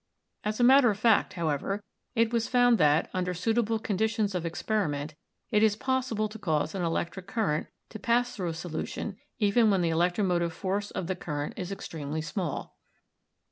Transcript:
As a matter of fact, however, it was found that, under suitable conditions of experiment, it is possible to cause an electric current to pass through a solution even when the electro motive force of the current is extremely small.